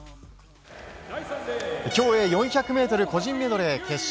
競泳４００ｍ個人メドレー決勝。